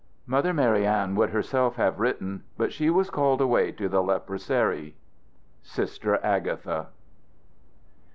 "Mother Marianne would herself have written, but she was called away to the Leproserie. "SISTER AGATHA."